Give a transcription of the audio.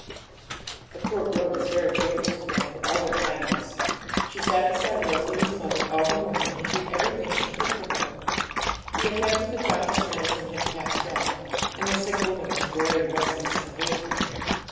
The poor girl was very grateful to them for all their kindness. She sat beside Rosalie's mother all the morning, and did everything she could for her. The effect of the doctor's medicine had passed off, and the sick woman was very restless and wakeful.